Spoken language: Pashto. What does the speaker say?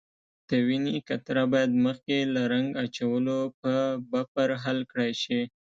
د وینې قطره باید مخکې له رنګ اچولو په بفر حل کړای شي.